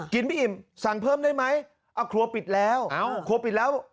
พี่อิ่มสั่งเพิ่มได้ไหมเอาครัวปิดแล้วครัวปิดแล้ว